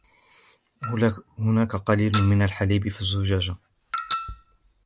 هناك قليل من الحليب في الزجاجة.